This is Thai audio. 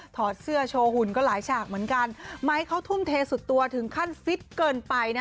อดเสื้อโชว์หุ่นก็หลายฉากเหมือนกันไม้เขาทุ่มเทสุดตัวถึงขั้นฟิตเกินไปนะ